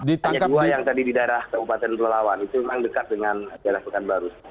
hanya dua yang tadi di daerah kabupaten pelawan itu memang dekat dengan daerah pekanbaru